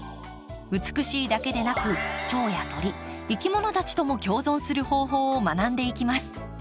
美しいだけでなくチョウや鳥いきものたちとも共存する方法を学んでいきます。